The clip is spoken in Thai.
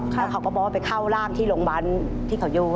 แล้วเขาก็บอกว่าไปเข้าร่างที่โรงพยาบาลที่เขาอยู่